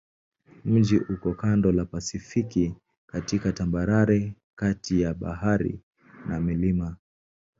Mji uko kando la Pasifiki katika tambarare kati ya bahari na milima.